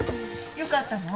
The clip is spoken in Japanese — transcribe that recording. よかったの？